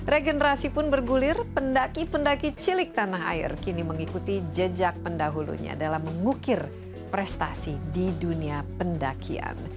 regenerasi pun bergulir pendaki pendaki cilik tanah air kini mengikuti jejak pendahulunya dalam mengukir prestasi di dunia pendakian